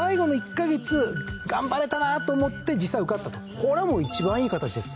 これはもう一番いい形ですよ。